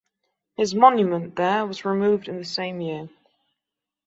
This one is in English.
His monument there was removed in the same year.